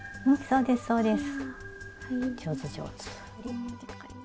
そうですそうです。